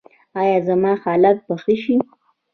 ایا زما حالت به ښه شي؟